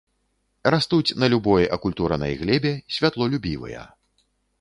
Растуць на любой акультуранай глебе, святлолюбівыя.